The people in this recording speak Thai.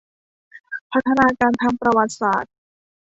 พัฒนาการทางประวัติศาสตร์